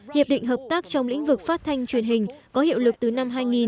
hiệp định hợp tác trong lĩnh vực phát thanh truyền hình có hiệu lực từ năm hai nghìn